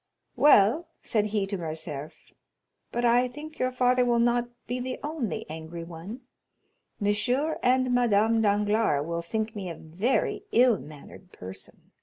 "Well," said he to Morcerf, "but I think your father will not be the only angry one; M. and Madame Danglars will think me a very ill mannered person.